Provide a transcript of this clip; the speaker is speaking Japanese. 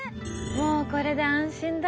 もうこれで安心だね。